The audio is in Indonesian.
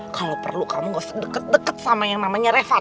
kalo perlu kamu gak usah deket deket sama yang namanya reva